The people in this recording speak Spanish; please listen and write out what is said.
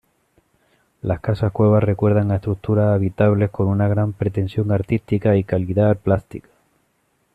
Las casas-cueva recuerdan a estructuras habitables con una gran pretensión artística y calidad plástica.